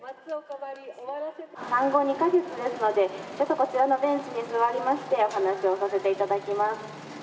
産後２か月ですのでこちらのベンチに座りましてお話をさせていただきます。